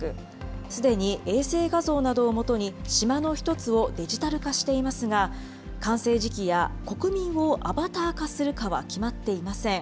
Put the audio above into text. すでに衛星画像などをもとに、島の１つをデジタル化していますが、完成時期や国民をアバター化するかは決まっていません。